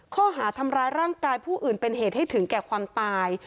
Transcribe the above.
ข้อหาทำร้ายร่างกายผู้อื่นเป็นเหตุให้ถึงแก่ความตาย